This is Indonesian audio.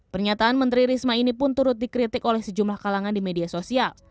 pernyataan menteri risma ini pun turut dikritik oleh sejumlah kalangan di media sosial